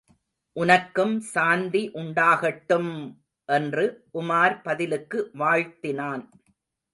உனக்கும் சாந்தி உண்டாகட்டும்! என்று உமார் பதிலுக்கு வாழ்த்தினான்.